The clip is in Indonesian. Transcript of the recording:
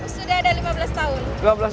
sudah ada lima belas tahun